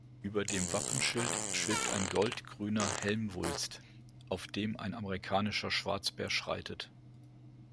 Über dem Wappenschild schwebt ein gold-grüner Helmwulst, auf dem ein Amerikanischer Schwarzbär schreitet.